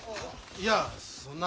いやそんな。